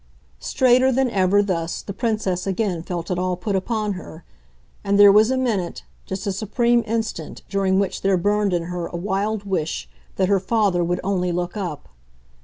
Straighter than ever, thus, the Princess again felt it all put upon her, and there was a minute, just a supreme instant, during which there burned in her a wild wish that her father would only look up.